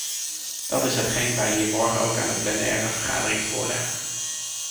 Dat is hetgeen wij hier morgen ook aan de plenaire vergadering voorleggen.